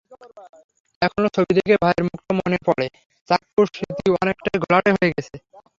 এখনো ছবি দেখে ভাইয়ের মুখটা মনে পড়ে, চাক্ষুষ স্মৃতি অনেকটাই ঘোলাটে হয়ে গেছে।